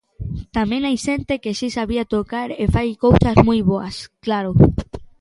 Tamén hai xente que si sabía tocar e fai cousas moi boas, claro.